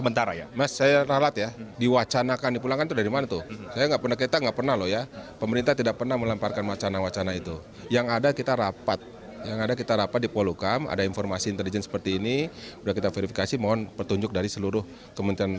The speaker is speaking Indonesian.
bapak komjen paul soehardi alius